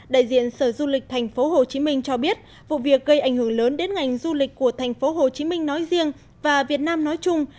đại diện sở du lịch thành phố hồ chí minh cho biết vụ việc gây ảnh hưởng lớn đến ngành du lịch của thành phố hồ chí minh nói riêng và việt nam nói chung